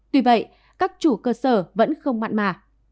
tuy vậy các chủ cơ sở vẫn không mặn mà